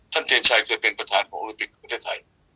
ท่านเทียนชัยเคยเป็นประธานของอุโรปิกเมืองไทย